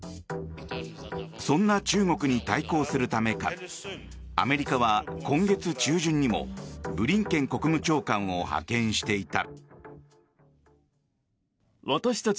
そんな中国に対抗するためかアメリカは今月中旬にもブリンケン国務長官を派遣していた。